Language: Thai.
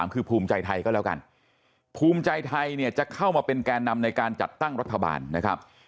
คือภูมิใจไทยก็แล้วกันภูมิใจไทยเนี่ยจะเข้ามาเป็นแก่นำในการจัดตั้งรัฐบาลนะครับ